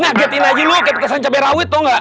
nuggetin aja lu kayak petasan cabai rawit tau gak